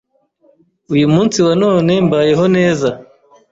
Uyu munsi wa none mbayeho neza